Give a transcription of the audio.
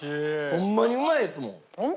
ホンマにうまいっすもん。